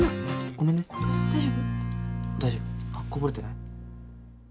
ごめんね大丈夫こぼれてない？